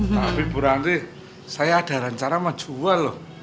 tapi bu ranti saya ada rencana maju jual